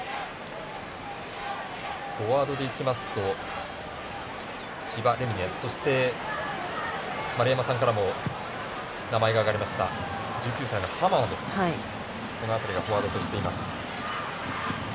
フォワードでいきますと千葉、そして、丸山さんからも名前が挙がりました１９歳の浜野、この辺りがフォワードとしています。